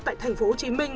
tại thành phố hồ chí minh